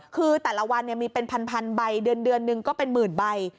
คือแต่ละวันมีเป็นพันใบเดือนหนึ่งก็เป็นหมื่นใบ